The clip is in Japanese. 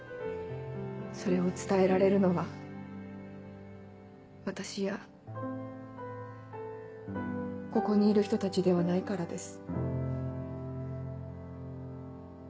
それを伝えられるのは私やここにいる人たちではないからです。